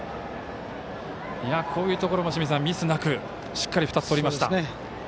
こういうところ、ミスなくしっかり２つとりました。